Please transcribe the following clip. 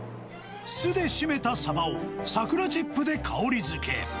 酢で締めたサバを桜チップで香りづけ。